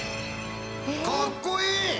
かっこいい！